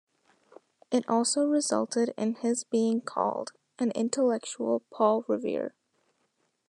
It also resulted in his being called, ...an intellectual Paul Revere.